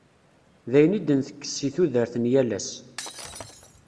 D ayen i d-ntekkes seg tudert n yal ass.